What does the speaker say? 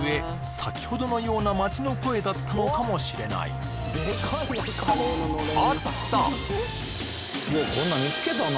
先ほどのような街の声だったのかもしれないねえ